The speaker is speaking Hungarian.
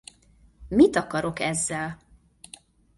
Mit akarok ezzel?